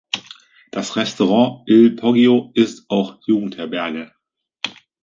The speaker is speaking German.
Das Restaurant «Il Poggio» ist auch Jugendherberge.